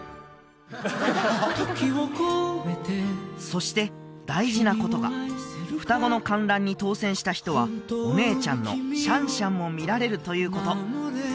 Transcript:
そして大事なことが双子の観覧に当選した人はお姉ちゃんのシャンシャンも見られるということ